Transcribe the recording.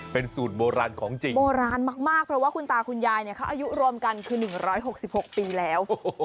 เป็นสูตรโบราณของจริงโบราณมากเพราะว่าคุณตาคุณยายเขาอายุรวมกันคือ๑๖๖ปีแล้ว